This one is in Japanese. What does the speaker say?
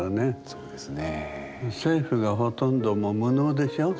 そうですね。